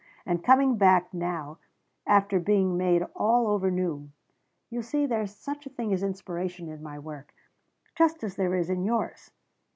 And coming back now after being made all over new you see there's such a thing as inspiration in my work, just as there is in yours.